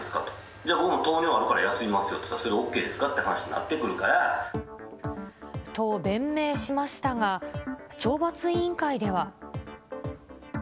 じゃあ、僕も糖尿あるから休みますよって、それでＯＫですかって話になってと弁明しましたが、懲罰委員会では。